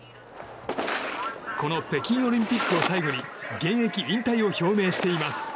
この北京オリンピックを最後に現役引退を表明しています。